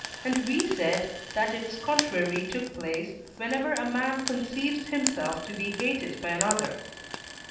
and we said that its contrary took place whenever a man conceives himself to be hated by another.